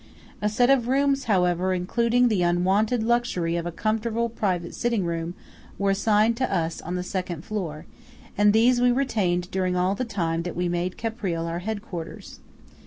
A set of rooms however, including the unwonted luxury of a comfortable private sitting room, were assigned to us on the second floor; and these we retained during all the time that we made Caprile our head quarters.